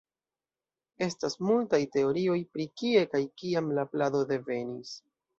Estas multaj teorioj pri kie kaj kiam la plado devenis.